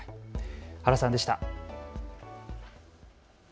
原さんでした。